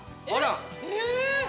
あら！え！